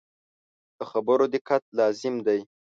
د خبرو دقت لازم دی.